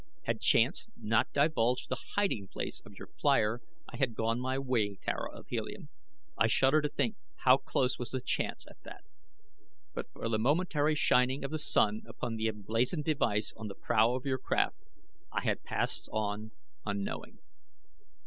Had chance not divulged the hiding place of your flier I had gone my way, Tara of Helium. I shudder to think how close was the chance at that. But for the momentary shining of the sun upon the emblazoned device on the prow of your craft, I had passed on unknowing."